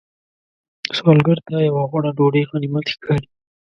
سوالګر ته یو غوړه ډوډۍ غنیمت ښکاري